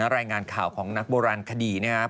รายงานข่าวของนักโบราณคดีนะครับ